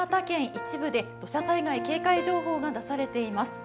一部で土砂災害警戒情報が出されています。